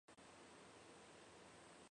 父亲左贤王刘豹。